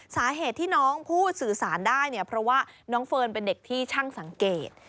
สาเหตุที่น้องพูดสื่อสารได้เนี่ยเพราะว่าน้องเฟิร์นเป็นเด็กที่ช่างสังเกต